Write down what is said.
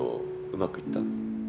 うまくいった？